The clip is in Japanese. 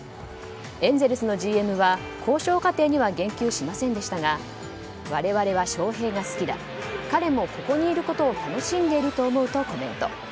エンゼルスのＧＭは交渉過程には言及しませんでしたが我々は翔平が好きだ彼もここにいることを楽しんでいると思うとコメント。